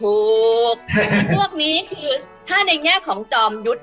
พวกนี้คือถ้าในแง่ของจอมยุทธ์